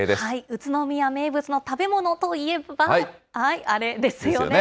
宇都宮名物の食べ物といえば、あれですよね。